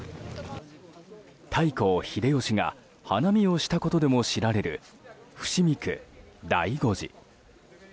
太閤・秀吉が花見をしたことでも知られる伏見区醍醐寺。